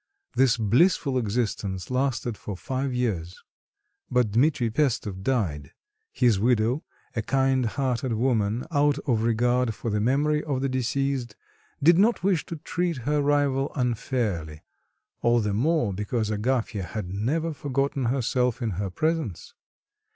This blissful existence lasted for five years, but Dmitri Pestov died; his widow, a kind hearted woman, out of regard for the memory of the deceased, did not wish to treat her rival unfairly, all the more because Agafya had never forgotten herself in her presence.